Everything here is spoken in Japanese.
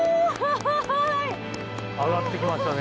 上がってきましたね。